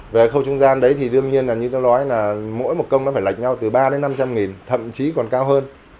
về khâu trung gian đấy thì đương nhiên là như tôi nói là mỗi một công nó phải lạch nhau từ ba đến năm trăm linh nghìn thậm chí còn cao hơn